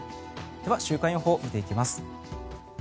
では、週間予報を見ていきます。